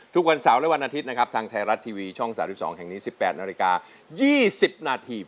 ทุกวันเสาร์และวันอาทิตย์นะครับทางไทยรัฐทีวีช่อง๓๒แห่งนี้๑๘นาฬิกา๒๐นาที